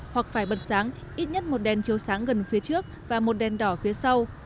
hoặc phải bật sáng ít nhất một đèn chiếu sáng gần phía trước và một đèn đỏ phía sau